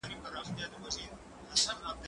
زه پرون سپينکۍ مينځلې